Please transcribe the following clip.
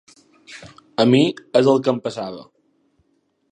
A mi és el que em passava.